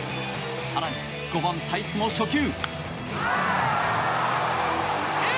更に５番、タイスも初球。